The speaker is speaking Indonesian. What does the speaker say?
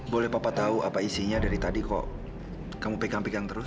boleh papa tahu apa isinya dari tadi kok kamu pegang pegang terus